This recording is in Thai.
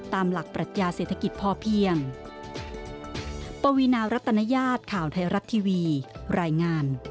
ตามหลักปรัชญาเศรษฐกิจพอเพียง